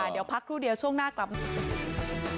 เดี๋ยวพักครู่เดียวช่วงหน้ากลับมา